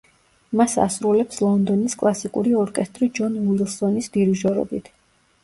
მას ასრულებს ლონდონის კლასიკური ორკესტრი ჯონ უილსონის დირიჟორობით.